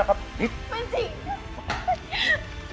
มันจริง